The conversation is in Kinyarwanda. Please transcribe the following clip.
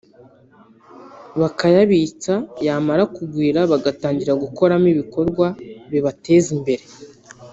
bakayabitsa yamara kugwira bagatangira gukoramo ibikorwa bibateza imbere